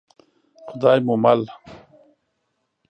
خدای مو مل.